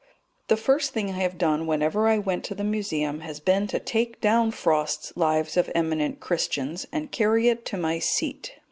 The first thing I have done whenever I went to the Museum has been to take down Frost's Lives of Eminent Christians and carry it to my seat.